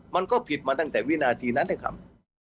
มันก็ผิดมาตั้งแต่วินาทีนั้นนะครับ